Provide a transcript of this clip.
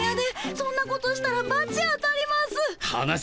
そんなことしたらばち当たります。